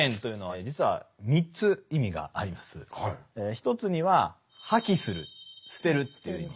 １つには破棄する捨てるという意味。